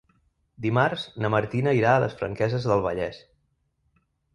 Dimarts na Martina irà a les Franqueses del Vallès.